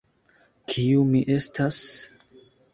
Kiu mi estas?